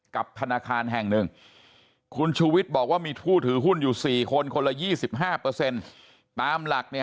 กับธนาคารแห่งหนึ่งคุณชูวิทย์บอกว่ามีผู้ถือหุ้นอยู่๔คนคนละ๒๕ตามหลักเนี่ย